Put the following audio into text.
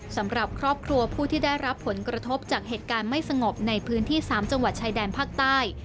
สำหรับครอบครัวผู้ที่ได้รับผลกระทบจากเหตุการณ์ไม่สงบในพื้นที่๓จังหวัดชายแดนภาคใต้